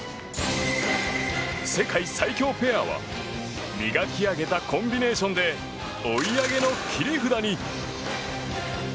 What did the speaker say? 世界最強ペアは磨き上げたコンビネーションで追い上げの切り札に。